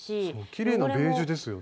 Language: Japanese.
きれいなベージュですよね。